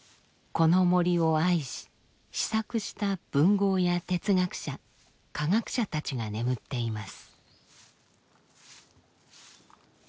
この森を愛し思索した文豪や哲学者科学者たちが眠っています。